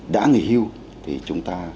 đã nghỉ hưu thì chúng ta